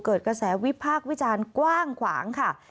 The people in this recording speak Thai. เกิดกระแสวิพากษ์วิจารณ์กว้างขวางค่ะ